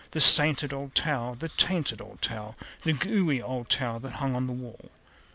The sainted old towel, the tainted old towel, The gooey old towel that hung on the wall.